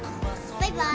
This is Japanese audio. バイバーイ。